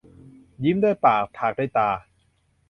ยิ้มด้วยปาก ถากด้วยตา